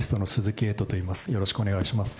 よろしくお願いします。